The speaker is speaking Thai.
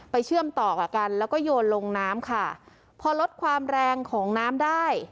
เชื่อมต่อกับกันแล้วก็โยนลงน้ำค่ะพอลดความแรงของน้ำได้